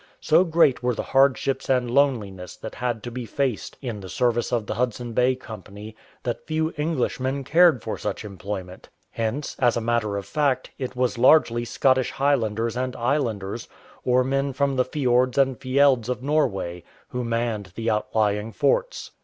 So great were the hardships and loneliness that had to be 202 AT NORWAY HOUSE faced in the service of the Hudson Bay Company that few Englishmen cared for such employment. Hence, as a matter of fact, it was largely Scottish Highlanders and Islanders, or men from the fiords and fjelds of Norway, who manned the outlying forts.